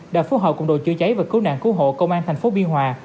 đã phú hậu cùng đội chữa cháy và cứu nạn cứu hộ công an thành phố biên hòa